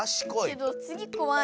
けどつぎこわい。